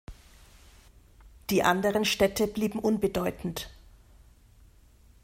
Die anderen Städte blieben unbedeutend.